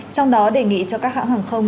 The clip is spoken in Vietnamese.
trong đó đề nghị cho các hãng hàng không